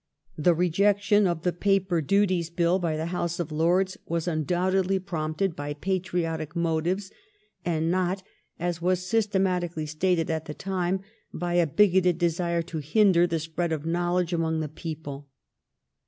The rejection of the Paper Duties Bill by the House of Lords was undoubtedly prompted by patriotic motives, and not, as was systematically stated at the time, bv a . bigoted desire to hinder the spread of knowledge among the people.